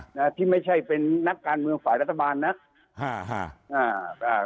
นะที่ไม่ใช่เป็นนักการเมืองฝ่ายรัฐบาลนักฮ่าฮ่าอ่าอ่า